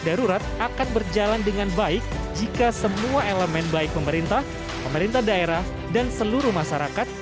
darurat akan berjalan dengan baik jika semua elemen baik pemerintah pemerintah daerah dan seluruh masyarakat